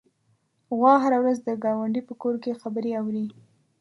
غوا هره ورځ د ګاونډي په کور کې خبرې اوري.